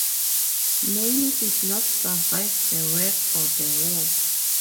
Many did not survive the work or the war.